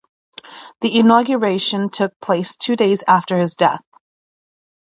The inauguration took place two days after his death.